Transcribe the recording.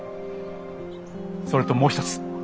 それともう一つ。